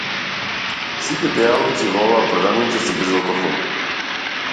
Сите пијалоци во оваа продавница се безалкохолни.